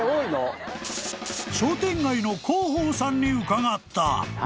［商店街の広報さんに伺った］